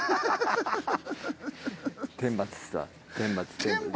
天罰だ天罰。